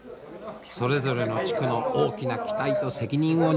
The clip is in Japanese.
それぞれの地区の大きな期待と責任を担った代表です。